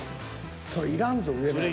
それいらんぞ上のやつ。